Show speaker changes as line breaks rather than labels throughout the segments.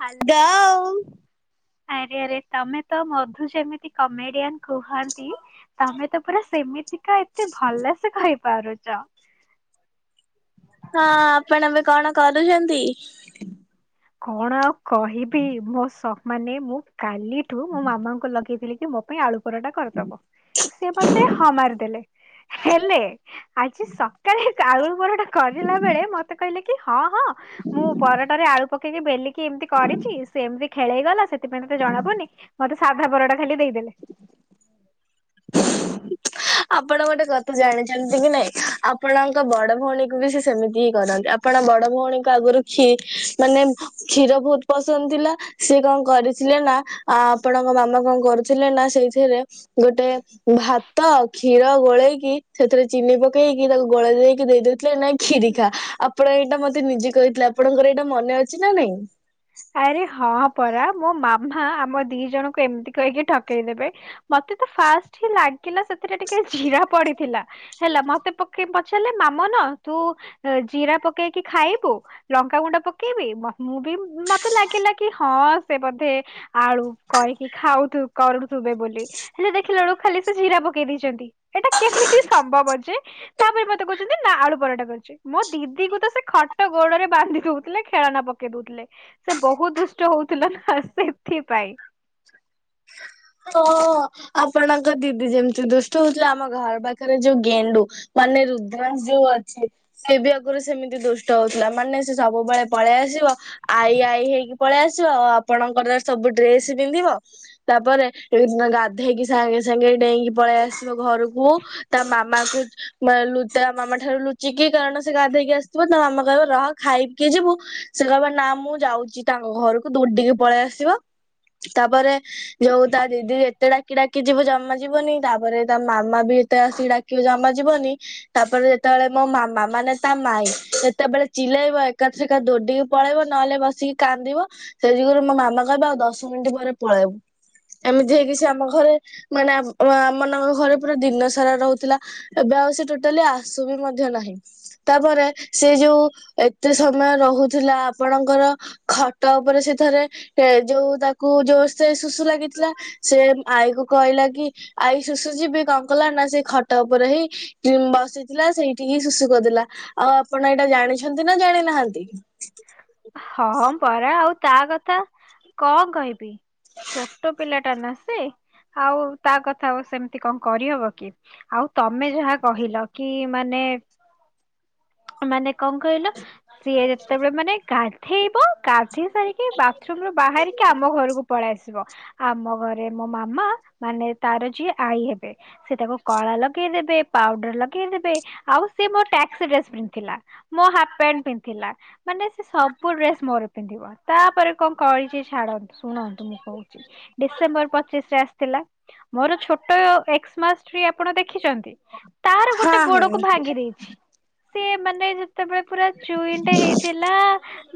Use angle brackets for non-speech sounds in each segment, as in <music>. Hello
ଡଉମ୍।
ଆରେ ଆରେ ତମେ ତ ମଧୁ ଯେମିତି କମେଡିଆନ୍ କୁହନ୍ତି। ତମେ ତ ପୁରା ସେମିତିକା ଏତେ ଭଲସେ କହିପାରୁଚ।
ହଁ ଆପଣ ଏବେ କଣ କରୁଛନ୍ତି।
କଣ ଆଉ କହିବି ମୋ ସ ମାନେ ମୁଁ କାଲିଠୁ ମୋ ମାମାଙ୍କୁ ଲଗେଇଥିଲି କି ମୋ ପାଇଁ ଆଳୁ ପରଟା କରିଦବ ସିଏ ମତେ ହଁ ମାରିଦେଲେ। ହେଲେ ଆଜି ସକାଳେ ଆଳୁ ପରଟା କରିଲା ବେଳେ ମତେ କହିଲେ। କି ହଁ ହଁ ମୁଁ ପରଟାରେ ଆଳୁ ପକେଇକି ବେଲିକି ଏମିତି କରିଛି ସେମିତି। ଖେଳେଇଗଲା ସେଥିପାଇଁ ତତେ ଜଣା ପଡୁନି ମତେ ସାଧା ପରଟା ଖାଲି ଦେଇଦେଲେ।
<unintelligible> ଆପଣ ଗୋଟେ କଥା ଜାଣିଛନ୍ତି କି ନାଇଁ ଆପଣଙ୍କ ବଡ ଭଉଣୀକୁ ବି ସେ ସେମିତି ହିଁ କରନ୍ତି। ଆପଣ ବଡ ଭଉଣୀଙ୍କୁ ଆଗରୁ କ୍ଷୀ ମାନେ କ୍ଷୀର ବହୁତ ପସନ୍ଦ ଥିଲା। ସିଏ କଣ କରିଥିଲେ ନା ଆପଣଙ୍କ ମାମା କଣ କରିଥିଲେ ନା ସେଇଥିରେ ଗୋଟେ। ଭାତ କ୍ଷୀର ଗୋଳେଇକି ସେଇଥିରେ ଚିନି ପକେଇକି ତାକୁ ଗୋଳେଇ ଦେଇକି ଦେଇଦେଲେ ଥିଲେ ନାଇଁ କ୍ଷୀରି ଖା ଆପଣ ଏଇଟା ମତେ ନିଜେ କହିଥିଲେ। ଆପଣଙ୍କର ଏଇଟା ମନେ ଅଛି ନା ନାହିଁ?
ଆରେ ହଁ ପରା ମୋ ମାମା ଆମ ଦି ଜଣଙ୍କୁ ଏମିତି କହିକି ଠକେଇଦେବେ। ମତେ ତ ଫାଷ୍ଟ ହିଁ ଲାଗିଲା ସେଥିରେ ଟିକେ ଜିରା ପଡ଼ିଥିଲା। ହେଲା ମତେ ପକେଇ ପଚାରିଲେ ମାମନ ତୁ ଜିରା ପକେଇକି ଖାଇବୁ। ଲଙ୍କା ଗୁଣ୍ଡ ପକେଇବି ମ ମୁଁ ବି ମ ମତେ ଲାଗିଲା କି ହଁ ସେ ବୋଧେ ଆଳୁ କରିକି ଖାଉ କରୁଥିବେ ବୋଲି। ହେଲେ ଦେଖିଲା ବେଳୁକୁ ଖାଲି ସେ ଜିରା ପକେଇ ଦେଇଛନ୍ତି। ଏଇଟା କେମିତି ସମ୍ଭବ ଯେ ତା ପାରେ ମତେ କୋହୁଛନ୍ତି ନା ଆଳୁ ପରଟା କରିଚି ମୋ ଦିଦି କୁ ତ ସେ ଖଟ ଗୋଡ଼ରେ ବାନ୍ଧି ଦଉଥିଲେ ଖେଳନା ପକେଇ ଦେଉଥିଲେ। ସେ ବହୁତ ଦୁଷ୍ଟ ହଉଥିଲା ନା ସେଥିପାଇଁ।
ହଁ ଆପଣଙ୍କ ଦିଦି ଯେମିତି ଦୁଷ୍ଟ ହଉଥଲା। ଆମ ଘର ପାଖରେ ଯୋଉ ଗେଣ୍ଡୁ। ମାନେ ରୁଦ୍ରାଂଶ ଯୋଉ ଅଛି। ସିଏ ବି ଆଗରୁ ସେମିତି ଦୁଷ୍ଟ ହଉଥିଲା। ମାନେ ସେ ସବୁବେଳେ ପଳେଇ ଆସିବ। ଆଈ ଆଈ ହେଇକି ପାଳେଇ ଆସିବ ଆଉ ଆପଣଙ୍କର ସବୁ ଡ୍ରେସ ପିନ୍ଧିବ। ତାପରେ ଏଇ ଦିନ ଗାଧେଇକି ସାଙ୍ଗେ ସାଙ୍ଗେ ଡେଇଁକି ପଳେଇ ଆସିବ ଘରକୁ ତା ମାମା କୁ ମା ଲୁ ତା ମାମା ଠାରୁ ଲୁଚିକି କାରଣ ସେ ଗାଧେଇକି ଆସିଥିବ। ତା ମାମା କହିବ ରହ ଖାଇକି ଯିବୁ। ସେ କହିବ ନା ମୁଁ ଯାଉଛି ତାଙ୍କ ଘରକୁ ଦୌଡ଼ିକି ପଳେଇ ଆସିବ। ତାପରେ ଯୋଉ ତା ଦିଦି ଯେତେ ଡାକି ଡାକି ଯିବ ଜମା ଯିବନି ତାପରେ ତା ମାମା ବି ଯେତେ ଆସିକି ଡାକିବି ଜମା ଯିବନି। ତାପରେ ଯେତେବେଳେ ମୋ ମାମା ମାନେ ତା ମାଇଁ ଯେତେବେଳେ ଚିଲେଇବ ଏ ଏକା ଥରେକା ଦୌଡ଼ିକି ପଳେଇବ ନହେଲେ ବସିକି କାନ୍ଦିବ। ସେଇ ଯୋଗୁରୁ ମୋ ମାମା କହିବ ଆଉ ଦଶ ମିନିଟ୍ ପରେ ପଳେଇବୁ। ଏମିତି ହେଇକି ସେ ଆମ ଘରେ ମାନେ ଆମ ମାନଙ୍କ ଘରେ ପୁରା ଦିନ ସାରା ରହୁଥିଲା। ଏବେ ଆଉ ସେ ଟୋଟାଲି ଆସୁ ବି ମଧ୍ୟ ନାହିଁ। ତାପରେ ସେ ଯୋଉ ଏତେ ସମୟ ରହୁଥିଲା ଆପଣଙ୍କର। ଖଟ ଉପରେ ସେ ଥରେ ଏ ଯୋଉ ତାକୁ ଯୋଉ ସେ ସୁସୁ ଲାଗି। ଥିଲା ସେ ଆଈକୁ କହିଲା କି ଆଈ ସୁସୁ ଯିବି କଣ କଲା ନା ସେ ଖଟ ଉପରେ ହିଁ। ଯିମ ବସିଥିଲା ସେଇଠି ହିଁ ସୁସୁ କରିଦେଲା। ଆଉ ଆପଣ ଏଟା ଜାଣିଛନ୍ତି ନାଁ ଜାଣିନାହାଁନ୍ତି।
ହଁ ହଁ ପରା ଆଉ ତା କଥା କଣ କହିବି। ଛୋଟ ପିଲାଟା ନା ସେ ଆଉ ତା କଥା ଆଉ ସେମିତି କଁ କରିହବ କି। ଆଉ ତମେ ଯାହା କହିଲ କି ମାନେ। ମାନେ କଣ କହିଲ ସିଏ ଯେତେବେଳେ ମାନେ ଗାଧେଇବ ଗାଧେଇ ସାରିକି ବାଥରୁମରୁ ବାହାରିକି ଆମ ଘରକୁ ପଳେଇ ଆସିବ। ଆମ ଘରେ ମୋ ମାମା ମାନେ ତାର ଯିଏ ଆଈ ହେବେ। ସେ ତାକୁ କଳା ଲଗେଇ ଦେବେ। ପାଉଡ଼ର ଲଗେଇ ଦେବ। ଆଉ ସେ ମୋ ଟାସ୍କ ଡ୍ରେସ ପି ଥିଲା। ମୋ ହାଫ୍ ପ୍ୟାଣ୍ଟ ପିନ୍ଧିଥିଲା। ମାନେ ସେ ସବୁ ଡ୍ରେସ ମୋର ପିନ୍ଧିବ। ତାପରେ କଣ କରିଚି ଛାଡ଼ ଶୁଣନ୍ତୁ ମୁଁ କହୁଚି, ଡିସେମ୍ବର ପଚିଶ ରେ ଆସିଥିଲା। ମୋର ଛୋଟ ଏକ୍ସମାସ ଟ୍ରି ଆପଣ ଦେଖିଛନ୍ତି? ତାର
ହଁ
ଗୋଟେ
ହଁ।
ଗୋଡ଼କୁ ଭାଙ୍ଗି ଦେଇଛି। ସିଏ ମାନେ ଯେତେବେଳେ ପୁରା ଚୁଇଁଟେ ହେଇଥିଲା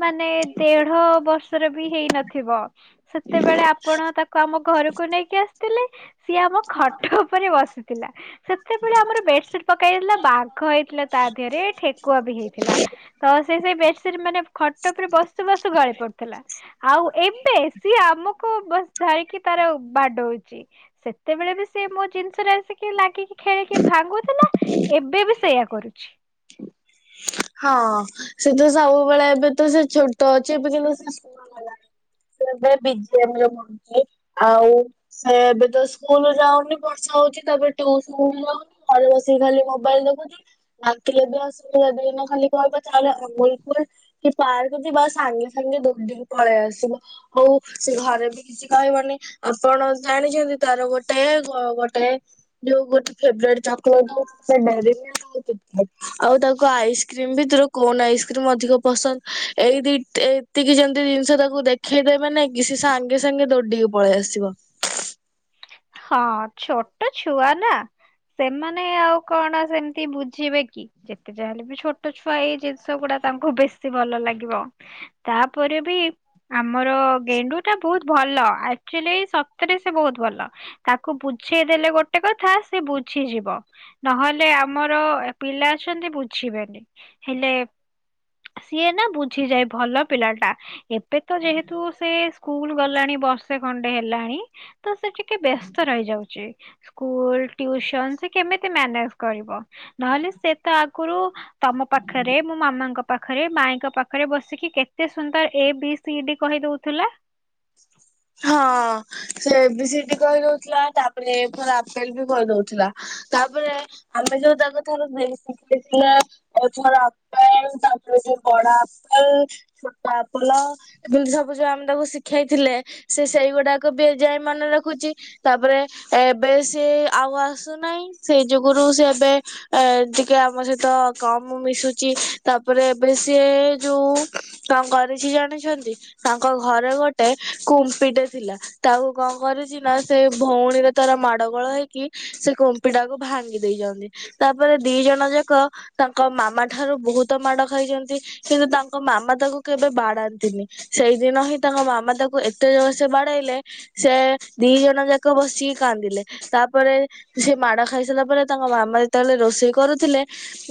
ମାନେ ଦେଢ଼ ବର୍ଷର ବି ହେଇନଥିବ। ସେତେବେଳେ ଆପଣ ତାକୁ ଆମ ଘରକୁ ନେଇକି ଆସ ଥିଲେ, ସିଏ ଆମ ଖଟ ଉପରେ ବସିଥିଲା। ସେତେବେଳେ ଆମର ବେଡ୍ ସିଟ୍ ପକ୍କା ହେଇଥିଲା, ବାଘ ହେଇଥିଲା ତା ଦେହରେ। କୂଅ ବି ହେଇଥିଲା। ତ ସେ ସେଇ ବେଡସିଟ୍ ମାନେ ଖଟ ଉପରେ ବସୁ ବସୁ ଗଳି ପଡ଼ୁଥିଲା। ଆଉ ଏବେ ସିଏ ଆମକୁ ବସ ଝାଳିକି ତାର ବାଡ଼ଉଚି। ସେତେବେଳେ ବି ସେ ମୋ ଜିନିଷରେ ଆସିକି ଲାଗିକି ଖେଳିକି ଭାଙ୍ଗୁଥିଲା। ଏବେ ବି ସେଇଆ କରୁଛି।
ହଁ! ସେ ତ ସବୁବେଳେ ଏବେ ତ ସେ ଛୋଟ ଅଛି ଏବେ କିନ୍ତୁ ସେ ସ୍କୁଲ ଗଲାଣି ସେ ଏବେ ବି ଜି ଏମ ରେ ପଢ଼ୁଚି। ଆଉ ସେ ଏବେ ତ ସ୍କୁଲ ଯାଉନି ବର୍ଷା ହଉଚି। ତାପରେ ଟୁସନ ନୁହଁ ଘରେ ବସିକି ଖାଲି ମୋବାଇଲ ଦେଖୁଚି। ଡାକିଲେ ବି ଆସୁନି। ଆଉ ବି ଖାଲି କହିବ ଚାଲେ ଅମୁଲକୁଲ କି ପାର୍କ ଯିବା, ସାଙ୍ଗେ ସାଙ୍ଗେ ଦଉଡ଼ିକି ପଳେଇ ଆସିବ। ହଉ, ସେ ଘରେ ବି କିଛି କହିବନି। ଆପଣ ଜାଣିଛନ୍ତି? ତାର ଗୋଟେ ଏ ଗୋଟେ ଏ ଯୋଉ ଗୋଟେ ଫେବ୍ରେଟ ଚକଲେଟ ହଉଚି ଗୋଟେ ଡେରିମିଳ୍କ ଆଉ କୀଟକାଟ। ଆଉ ତାକୁ ଆଇସ କ୍ରିମ ଭିତରୁ କୋନ ଆଇସ୍କ୍ରିମ ଅଧିକ ପସନ୍ଦ। ଏଇ ଦି ଏ ଏତିକି ଯେମିତି ଜିନିଷ ତାକୁ ଦେଖ ଦେଖେଇଦେବେ ନେଇକି ସେ ସାଙ୍ଗେ ସାଙ୍ଗେ ଦୌଡିିକି ପଳେଇ ଆସିବ।
ହଁ, ଛୋଟ ଛୁଆ ନା ସେମାନେ ଆଉ କଣ ସେମିତି ବୁଝିବେ କି? ଯେତେ ଯାହା ହେଲେ ବି ଛୋଟ ଛୁଆ ଏଇ ଜିନିଷ ଗୁଡା ତାଙ୍କୁ ବେଶୀ ଭଲ ଲାଗିବ। ତାପରେ ବି ଆମର ଗେଣ୍ଡୁ ଟା ବହୁତ ଭଲ। ଆକ୍ଚୁଆଲି ସତରେ ସେ ବହୁତ ଭଲ। ତାକୁ ବୁଝେଇଦେଲେ ଗୋଟେ କଥା, ସେ ବୁଝିଯିବ। ନହେଲେ ଆମର ପିଲା ଅଛନ୍ତି ବୁଝିବେନି, ହେଲେ ସିଏ ନା ବୁଝିଯାଏ, ଭଲ ପିଲା ଟା। ଏବେ ତ ଯେହେତୁ ସେ ସ୍କୁଲ ଗଲାଣି ବର୍ଷେ ଖଣ୍ଡେ ହେଲାଣି ତ ସେଠି ଟିକେ ବ୍ୟସ୍ତ ରହିଯାଉଚି। ସ୍କୁଲ ଟିଉସନ ସେ କେମିତି ମ୍ୟାନେଜ କରିବ? ନହେଲେ ସେ ତ ଆଗୁରୁ ତମ ପାଖରେ, ମୋ ମାମାଙ୍କ ପାଖରେ, ମାଇଁଙ୍କ ପାଖରେ ବସିକି କେତେ ସୁନ୍ଦର A B C C D କହି ଦଉଥିଲା।
ହଁ, ସେ ଏ ବି ସି ଡି କହିଦଉଥିଲା, ତାପରେ ଏ ଫର ଆପେଲ ବି କହିଦଉଥିଲା। ତାପରେ ଆମେ ଯୋଉ ତାକୁ ଥରେ <inaudible> ଶିଖେଇ ଥିଲେ। <unintelligible> ଅଥର ଆପପଲ ତାପରେ ଯ ବଡ ଆପ୍ପଲ <unintelligible> ଛୋଟ ଆପୁଲ। ଏମତି ସବୁ ଯୋଉ ଆମେ ତାକୁ ଶିଖେଇଥିଲେ ସେ ସେଇଗୁଡାକ ବି ଏଯାଏ ମନେ ରଖୁଚି। ତାପରେ ଏବେ ସେ ଆଉ ଆସୁନାହିଁ। ସେ ଯୁଗରୁ ସେ ଏବେ ଏ ଟିକେ ଆମ ସହିତ କମ ମିଶୁଚି। ତାପରେ ଏବେ ସିଏ ଯୋଉ କଣ କରିଛି ଜାଣିଛନ୍ତି। ତାଙ୍କ ଘରେ ଗୋଟେ କୁମ କୁଂପି ଟେ ଥିଲା। ତାକୁ କଣ କରିଚି ନା ସେ ଭଉଣୀର ତାର ମାଡ ଗୋଳ ହେଇକି ସେ କୁମ୍ପି ଟାକୁ ଭାଙ୍ଗି ଦେଇ ଯନ୍ତି ତାପରେ ଦି ଜଣ ଯାକ ତାଙ୍କ ମାମା ଠାରୁ ବହୁତ ମାଡ ଖାଇଛନ୍ତି। କିନ୍ତୁ ତାଙ୍କ ମାମା ତାକୁ କେବେ ବାଡାନ୍ତିନି। ସେଇଦିନ ହିଁ ତାଙ୍କ ମାମା ତାକୁ ଏ ତେ ଜୋରସେ ବାଡେଇଲେ ସେ ଦି ଜଣ ଯାକ ବସିକି କାନ୍ଦିଲେ ତାପରେ ସେ ମାଡ ଖାଇ ସାରିଲା ପରେ ତାଙ୍କ ମାମା ଯେତେବେଳେ ରୋଷେଇ କରୁଥିଲେ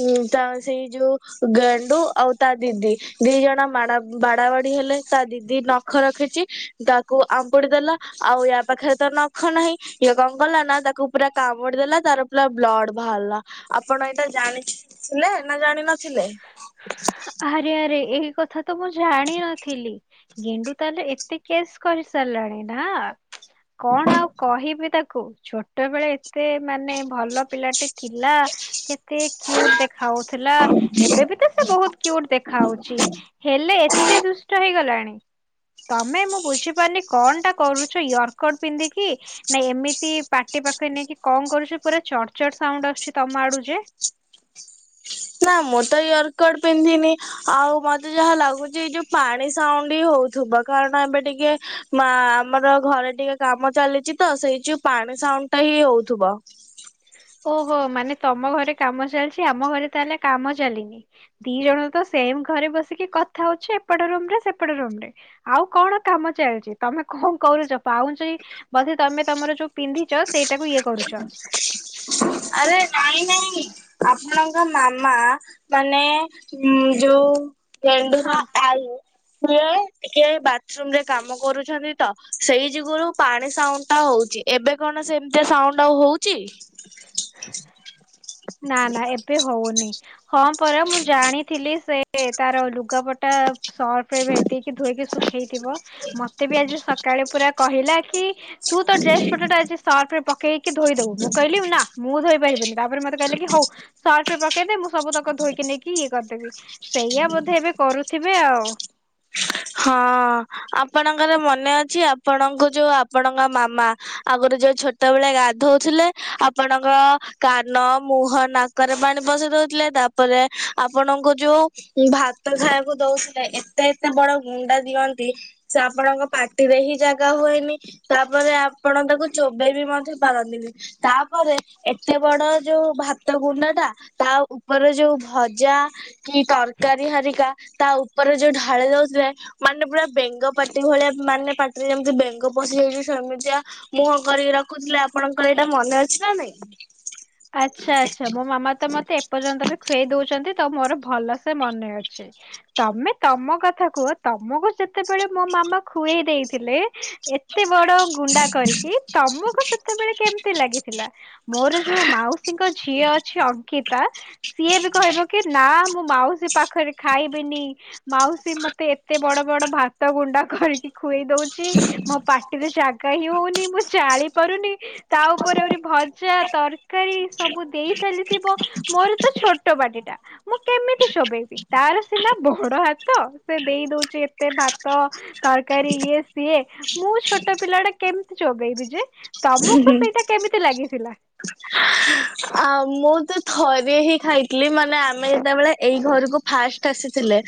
ଉଁ ତା ସେଇ ଯୋଉ ଗେଣ୍ଡୁ ଆଉ ତା ଦିଦି ଦି ଜଣ ମାଡ ବାଡା ବାଡି ହେଲେ। ତା ଦିଦି ନଖ ରଖିଛି ତାକୁ ଆମ୍ପୁଡି ଦେଲା ଆଉ ୟା ପାଖରେ ତ ନଖ ନାହିଁ ଇଏ କଣ କଲା ନା ତାକୁ ପୁରା କାମୁଡି ଦେଲା ତାର ପୁରା ବ୍ଲଡ ବାହାରିଲା ଆପଣ ଏଇତ ଜାଣିଛି ଥିଲେ ନା ଜାଣ ନଥିଲେ?
ଆରେ ଆରେ ଏହି କଥା ତ ମୁଁ ଜାଣିନଥିଲି ଗେଣ୍ଡୁ ତାହେଲେ ଏ ଏତେ କେସ୍ କରିସାରିଲାଣି ନା କଣ ଆଉ କହିବି ତାକୁ ଛୋ ଛୋଟବେଳେ ଏତେ ମାନେ ଭଲ ପିଲାଟେ ଥିଲା କେତେ କ୍ୟୁଟ ଦେଖା ଖାଉଥିଲା ଏବେ ବି ତ ସେ ବହୁତ କ୍ୟୁଟ ଦେଖା ଯାଉଛି। ହେଲେ ଏତେ ଦୁଷ୍ଟ ହେଇଗଲାଣି? ତମେ ମୁଁ ବୁଝିପାରୁନି କଣ ଟା କରୁଛ ୟର୍କଟ ପିନ୍ଧିକି? ନାଇଁ ଏମିତି ପାଟି ପାଖରେ ନେଇକି କଣ କରୁଛ ପୁରା ଚଡଚଡ ସାଉଣ୍ଡ ଆସୁଛି ତମ ଆଡୁ ଯେ?
ନା ମୁଁ ତ ୟର୍କଡ ପିନ୍ଧିନି ଆଉ ମତେ ଯାହା ଲାଗୁଛି ଏଇ ଯୋଉ ପାଣି ସାଉଣ୍ଡ ହଉଥିବ କାରଣ ଏବେ ଟିକେ ମା ଆମର ଘରେ ଟିକେ କାମ ଚାଲିଛି ତ ସେଇ ଯଉ ପାଣି ସାଉଣ୍ଡ ଟା ହିଁ ହଉଥିବ।
ଓହୋ ମାନେ ତମ ଘରେ କାମ ଚାଲିଛି ଆମ ଘରେ ତାହେଲେ କାମ ଚାଲିନି। ଦି ଜଣ ତ ସେମ ଘରେ ବସିକି କଥା ହଉଛି ଏପଟ ରୁମ ରେ ସେପଟ ରୁମ ରେ। ଆଉ କଣ କାମ ଚାଲିଛି ତମେ କଣ କରୁଛ ପାଉଁଛି ବୋଧେ ତମେ ତମର ଯୋଉ ପିନ୍ଧିଛ ସେଇଟାକୁ ଇଏ କରୁଛ।
<unintelligible> ଆରେ ନାଇଁ ନାଇଁ ଆପଣଙ୍କ ମାମା ମାନେ ଉଁ ଯୋଉ ଗେଣ୍ଡୁର
ହଁ।
ଆଈ ସିଏ ଟିକେ ବାଥରୁମ ରେ କାମ କରୁଛନ୍ତି ତ ସେଇ ଯୁଗରୁ ପାଣି ସାଉଣ୍ଡ ଟା ହଉଛି ଏବେ କଣ ସେମିତି ସାଉଣ୍ଡ ଆଉ ହଉଛି?
ନା ନା ଏବେ ହଉନି। ହଁ ପରା ମୁଁ ଜାଣିଥିଲି ସେ ତାର ଲୁଗାପଟା ସର୍ଫ ରେ ଭେଦ ଇକି ଧୋଇକି ଶୁଖେଇଥିବ ମତେ ବି ଆଜି ସକାଳେ ପୁରା କହିଲା କି ତୁ ତ ଡ୍ରେସ ପଟା ଟା ଆଜି ସର୍ଫ ରେ ପକେଇକି ଧୋଇଦବୁ ମୁଁ କହିଲି ନା ମୁଁ ଧୋଇପାରିବିନି ତାପରେ ମତେ କହିଲେ କି ହଉ ସର୍ଫ ରେ ପକେଇଦେ ମୁଁ ସବୁତକ ଧୋଇକି ନେଇକି ଇଏ କରିଦେବି। ସେଇଆ ବୋଧେ ଏବେ କରୁଥିବେ ଆଉ।
ହଁ। ଆପଣଙ୍କର ମନେ ଅଛି ଆପଣଙ୍କୁ ଯୋଉ ଆପଣଙ୍କ ମାମା ଆଗରୁ ଯୋଉ ଛୋ ଟ ବେଳେ ଗାଧୋଉଥିଲେ ଆପଣଙ୍କ କାନ ମୁହଁ ନାକରେ ପାଣି ପସେଇଦଉଥିଲେ ତା ତା ପରେ ଆପଣଙ୍କୁ ଯୋଉ ଭାତ ଖାଇବାକୁ ଦଉଥିଲେ ଏତେ ଏତେ ବଡ ଗୁଣ୍ଡା ଦିଅନ୍ତି ସେ ଆପଣଙ୍କ ପାଟିରେ ହିଁ ଜାଗା ହୁଏନି ତାପରେ ଆପଣ ତାକୁ ଚୋବେଇ ବି ମଧ୍ୟ ପାରନ୍ତିନି। ତାପରେ ଏତେ ବଡ ଯୋଉ ଭାତ ଗୁଣ୍ଡା ଟା ତା ଉପରେ ଯୋଉ ଭଜା କି ତରକାରୀ ହାରିକା ତା ଉପରେ ଯୋଉ ଢାଳି ଦଉଥିଲେ। ମାନେ ପୁରା ବେଙ୍ଗ ପାଟି ଭଳିଆ ମାନେ ପାଟିରେ ଯେମିତି ବେଙ୍ଗ ପଶିଯାଇଛି ସମିତିଆ ମୁହଁ କରିକି ରଖୁଥିଲେ ଆପଣଙ୍କର ଏଇଟା ମନେ ଅଛି ନା ନାଇଁ?
ଆଚ୍ଛା ଆଚ୍ଛା ମୋ ମାମା ତ ମତେ ଏପର୍ଯ୍ୟନ୍ତ ଖୁଏଇ ଦଉଛନ୍ତି ତ ମୋର ଭଲ ସେ ମନେ ଅଛି। ତମେ ତମ କଥା କୁହ ତମକୁ ଯେତେବେଳେ ମୋ ମାମା ଖୁଏଇ ଦେଇଥିଲେ ଏତେ ବଡ ଗୁଣ୍ଡା କରିକି ତମକୁ ସେତେବେଳେ କେମିତି ଲାଗିଥିଲା? ମୋର ଯୋଉ ମାଉସୀଙ୍କ ଝିଅ ଅଛି ଅଙ୍କିତା ସିଏ ବି କହିବ କି ନା ମୁଁ ମାଉସୀ ପାଖରେ ଖାଇବିନି, ମାଉସୀ ମତେ ଏତେ ବଡ ବଡ ଭାତ ଗୁଣ୍ଡା କରିକି ଖୁଏଇ ଦଉଛି ମୋ ପାଟିରେ ଜାଗା ହିଁ ହଉନି ମୁଁ ଚାଳି ପାରୁନି। ତା ଉପରେ ଆହୁରି ଭଜା ତରକାରୀ ସବୁ ଦେଇ ଚାଲିଥିବ, ମୋର ତ ଛୋଟ ପାଟିଟା ମୁଁ କେମିତି ଚୋବେଇବି ତାର ସିନା ବଡ ହାତ ସେ ଦେଇ ଦଉଛି ଏତେ ଭାତ ତରକାରୀ ଇଏ ସିଏ ମୁଁ ଛୋଟ ପିଲା ଟା କେମିତି ଚୋବେଇବି ଯେ ତମକୁ ସେଇଟା କେମିତି ଲାଗିଥିଲା।
ଆ ମୁଁ ତ ଥରେ ହିଁ ଖାଇଥିଲି ମାନେ ଆମେ ଯେତେବେଳେ ଏଇ ଘରକୁ ଫାଷ୍ଟ ଆସିଥିଲେ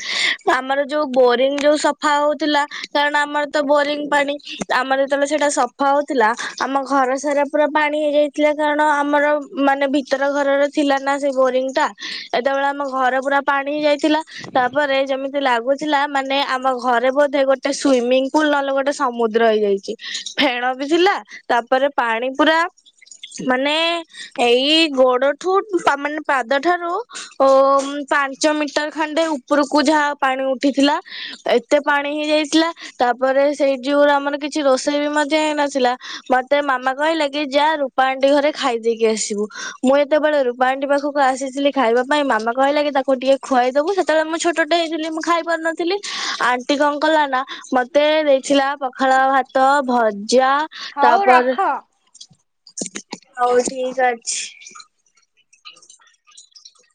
ଆମର ଯୋଉ ବୋରିଂ ଯୋଉ ସଫା ହଉଥିଲା କାରଣ ଆମର ତ ବୋରିଙ୍ଗ୍ ପାଣି ଆମର ଯେତେବେଳେ ସେଇଟା ସଫା ହଉଥିଲା। ଆମ ଘର ସାରା ପୁରା ପାଣି ହେଇଯାଇଥିଲା କାରଣ ଆମର ମାନେ ଭିତର ଘରର ଥିଲା ନା ସେ ବୋରିଙ୍ଗ୍ ଟା ସେତେବେଳେ ଆମ ଘର ପୁରା ପାଣି ହେଇ ଯାଇଥିଲା ତାପରେ ଯେମିତି ଲାଗୁଛି ଥିଲା ମାନେ ଆମ ଘରେ ବୋଧେ ଗୋଟେ ସୁଇମିଂ ପୁଲ୍ ନହଲେ ଗୋଟେ ସମୁଦ୍ର ହେଇଯାଇଛି। ଫେଣ ବି ଥିଲା। ତାପରେ ପାଣି ପୁରା ମାନେ ଏଇ ଗୋଡ ମାନେ ପାଦଠାରୁ ଓ ପାଞ୍ଚ ମିଟର ଖଣ୍ଡେ ଉପରକୁ ଯାହା ପାଣି ଉଠିଥିଲା ଏତେ ପାଣି ହେଇ ଯାଇଥିଲା ତାପରେ ସେଇ ଯଉ ଆମର କିଛି ରୋଷେଇ ବି ମଧ୍ୟ ହେଇନଥିଲା। ମତେ ମାମା କହିଲା କି ଯା ରୂପାଆଣ୍ଟି ଘରେ ଖାଇଦେଇକି ଆସିବୁ ମୁଁ ଏତେବେଳେ <inaudible> ପାଖକୁ ଆସିଥିଲି ଖାଇବା ପାଇଁ ମାମା କହିଲା କି ତାକୁ ଟିକେ ଖୁଆଇଦବୁ ସେତବେଳେ ମୁଁ ଛୋଟ ଟେ ହେଇଥିଲି ମୁଁ ଖାଇପାରୁନଥିଲି। ଥିଲି ଆଣ୍ଟି କଣ କଲା ନା ମତେ ଦେଇଥିଲା ପଖାଳ ଭାତ ଭଜା
ହଉ
ତାପରେ
ରଖ।
ହଉ ଠିକ୍ ଅଛି।